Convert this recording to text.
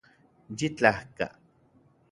Yitlajka